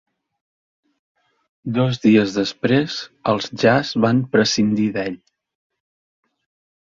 Dos dies després, els Jazz van prescindir d'ell.